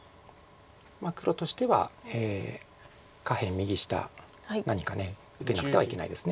黒としては下辺右下何か受けなくてはいけないです。